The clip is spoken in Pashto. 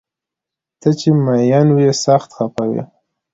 ته چې مین وي سخت خفه وي